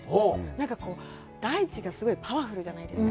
なんか大地がすごいパワフルじゃないですか。